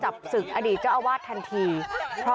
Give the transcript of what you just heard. หัวเตียงค่ะหัวเตียงค่ะ